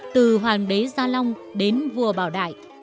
từ hoàng đế gia long đến vua bảo đại